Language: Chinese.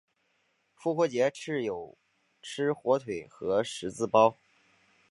复活节亦有吃火腿和十字包。